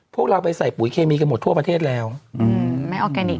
พวกเราไปใส่ปุ๋ยเคมีกันหมดทั่วประเทศแล้วอืมไม่ออร์แกนิค